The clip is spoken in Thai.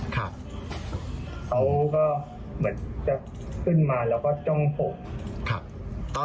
ครับเขาก็เหมือนจะขึ้นมาแล้วก็จ้องผม